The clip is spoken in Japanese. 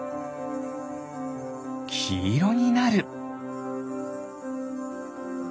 きいろになる！